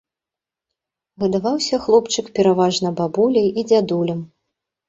Гадаваўся хлопчык пераважна бабуляй і дзядулям.